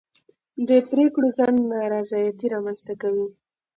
د پرېکړو ځنډ نارضایتي رامنځته کوي